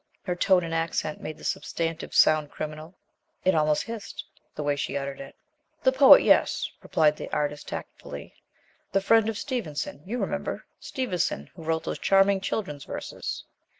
Her tone and accent made the substantive sound criminal. It almost hissed, the way she uttered it. "The poet, yes," replied the artist tactfully, "the friend of Stevenson, you remember, Stevenson who wrote those charming children's verses."